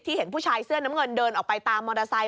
เห็นผู้ชายเสื้อน้ำเงินเดินออกไปตามมอเตอร์ไซค